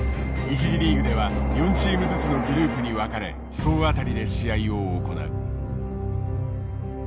１次リーグでは４チームずつのグループに分かれ総当たりで試合を行う。